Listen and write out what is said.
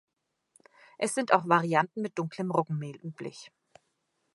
Es sind auch Varianten mit dunklem Roggenmehl üblich.